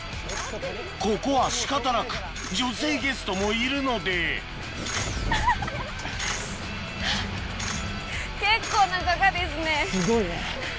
ここは仕方なく女性ゲストもいるのですごいね。